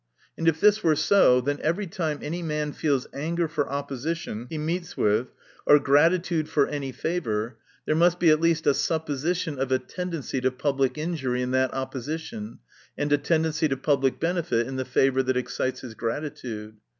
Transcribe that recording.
And if this were so, then every time any man feels anger for oppo sition he meets with, or gratitude for any favor, there must be at least a supposi tion of a tendency to public injury in that opposition, and a tendency to public benefit in the favor that excites his gratitude.